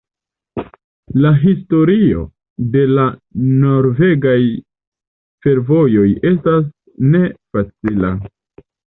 La historio de la norvegaj fervojoj estas ne facila.